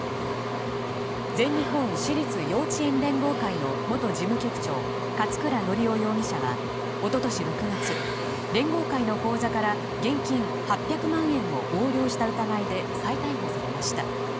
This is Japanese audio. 全日本私立幼稚園連合会の元事務局長勝倉教雄容疑者は一昨年６月連合会の口座から現金８００万円を横領した疑いで再逮捕されました。